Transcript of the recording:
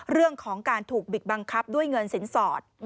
เรื่องของการถูกบิดบังคับด้วยเงินสินสอด